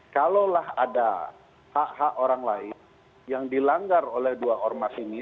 kalaulah ada hak hak orang lain yang dilanggar oleh dua ormas ini